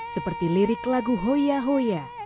seperti lirik lagu hoya hoya